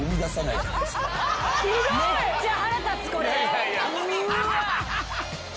めっちゃ腹立つこれ。